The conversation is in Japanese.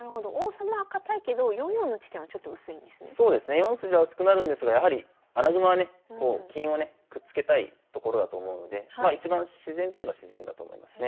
４筋は薄くなるんですがやはり穴熊はね金をねくっつけたいところだと思うのでまあ一番自然といえば自然だと思いますね。